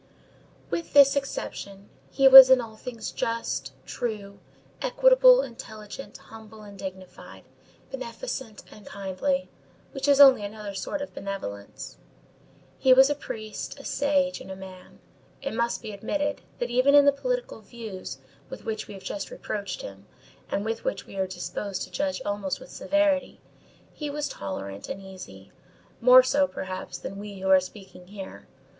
With this exception, he was in all things just, true, equitable, intelligent, humble and dignified, beneficent and kindly, which is only another sort of benevolence. He was a priest, a sage, and a man. It must be admitted, that even in the political views with which we have just reproached him, and which we are disposed to judge almost with severity, he was tolerant and easy, more so, perhaps, than we who are speaking here.